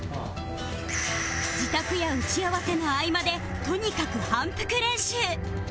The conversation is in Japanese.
自宅や打ち合わせの合間でとにかく反復練習